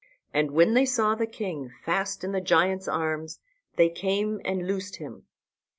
And when they saw the king fast in the giant's arms they came and loosed him.